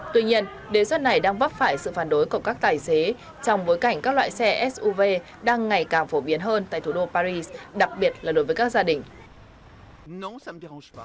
tuy nhiên đề xuất này đang vấp phải sự phản đối của các tài xế trong bối cảnh các loại xe suv đang ngày càng phổ biến hơn tại thủ đô paris đặc biệt là đối với các gia đình